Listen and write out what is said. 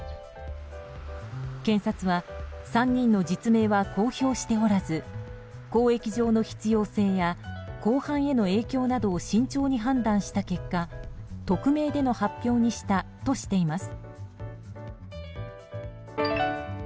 検察は、３人の実名は公表しておらず公益上の必要性や公判への影響などを慎重に判断した結果、匿名での発表にしたとしています。